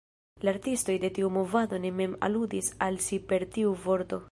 La artistoj de tiu movado ne mem aludis al si per tiu vorto.